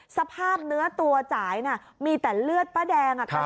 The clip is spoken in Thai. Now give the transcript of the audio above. สภาพเนื้อตัวจ่ายมีแต่เลือดป้าแดง